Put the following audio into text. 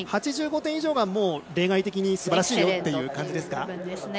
８５点以上が例外的にすばらしいという感じですか。